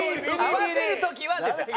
合わせる時はですよ。